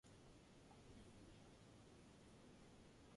He was also made an honorary member of Surrey County Cricket Club.